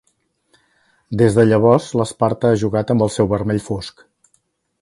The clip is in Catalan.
Des de llavors, l'Sparta ha jugat amb el seu vermell fosc.